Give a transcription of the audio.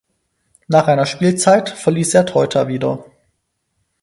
Nach einer Spielzeit verließ er Teuta wieder.